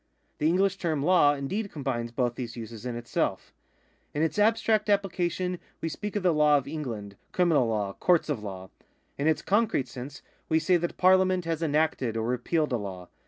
^ The English term law indeed combines both these uses in itself. In its abstract appHcation we speak of the law of England, criminal law, courts of law. In its concrete sense, we say that Parliament has enacted or repealed a law.